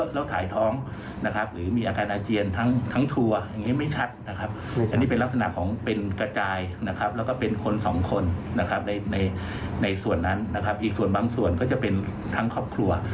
แล้วก็เป็นคน๒คนในส่วนนั้นอีกส่วนบางส่วนก็จะเป็นทั้งครอบครัว